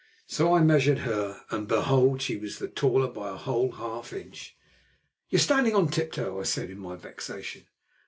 So I measured her, and, behold! she was the taller by a whole half inch. "You are standing on tiptoe," I said in my vexation.